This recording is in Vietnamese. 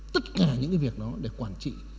tất cả những cái việc đó để quản trị